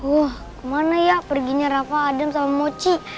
wah kemana ya perginya rafa adem sama mochi